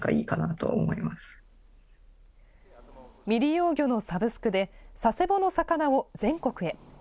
未利用魚のサブスクで、佐世保の魚を全国へ。